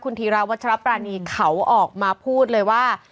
ธีราวัชรปรานีเขาออกมาพูดเลยว่า